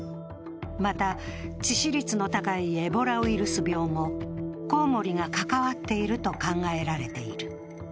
また、致死率の高いエボラウイルス病もコウモリが関わっていると考えられている。